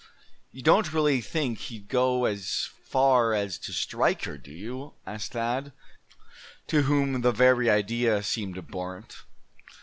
"You don't really think he'd go as far as to strike her, do you?" asked Thad, to whom the very idea seemed abhorrent.